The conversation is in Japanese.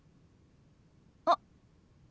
あっ。